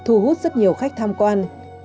ưu hút rất nhiều khách tham quan